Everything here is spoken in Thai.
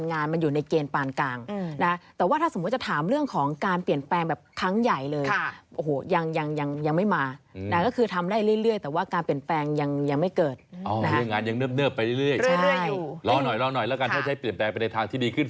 รอหน่อยแล้วกันถ้าใช้เปรียบแปลงไปในทางที่ดีขึ้น